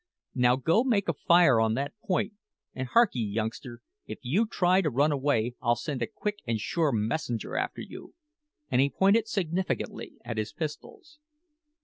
"Now, go make a fire on that point; and hark'ee, youngster, if you try to run away I'll send a quick and sure messenger after you," and he pointed significantly at his pistols.